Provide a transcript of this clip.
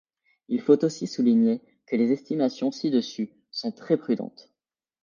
Il faut aussi souligner que les estimations ci-dessus sont très prudentes.